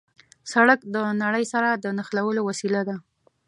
سړک د نړۍ سره د نښلولو وسیله ده.